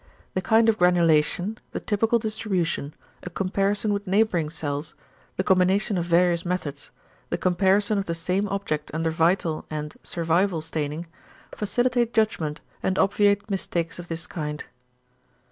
The kind of granulation, the typical distribution, a comparison with neighbouring cells, the combination of various methods, the comparison of the same object under vital and "=survival=" staining, facilitate judgment and obviate mistakes of this kind.